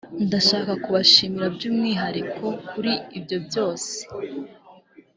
ndashaka kubashimira by’umwihariko kuri ibyo byose